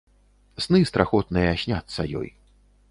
Сны страхотныя сняцца ёй.